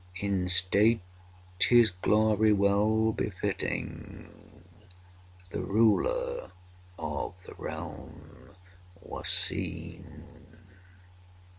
In state his glory well befitting, The ruler of the realm was seen.